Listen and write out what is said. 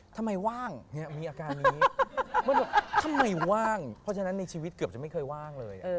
ทำไมว่างเพราะฉะนั้นในชีวิตเกือบจะไม่เคยว่างเลย